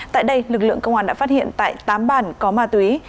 tại đây lực lượng công an đã phát hiện tại tám bàn có ma túy